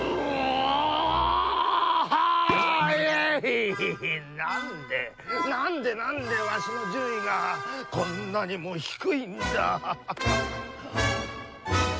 えいなんでなんでなんでわしのじゅんいがこんなにもひくいんだ！